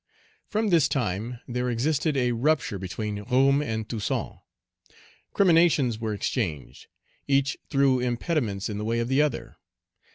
From this time, there existed a rupture between Roume and Toussaint. Criminations were exchanged. Each threw impediments in the way of the other.